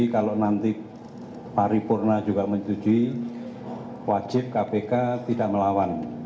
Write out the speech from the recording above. kalau nanti pak ripurna juga menuju wajib kpk tidak melawan